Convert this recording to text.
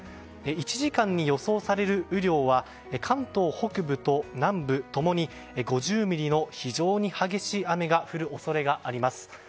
１時間に予想される雨量は関東北部と南部ともに５０ミリの非常に激しい雨が降る恐れがあります。